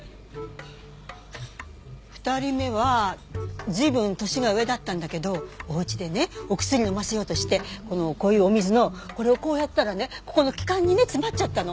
２人目は随分年が上だったんだけどお家でねお薬を飲ませようとしてこのこういうお水のこれをこうやったらねここの気管にね詰まっちゃったの。